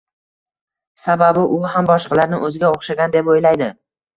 Sababi u ham boshqalarni o‘ziga o‘xshagan deb o‘ylaydi.